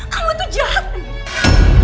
kamu tuh jahat nih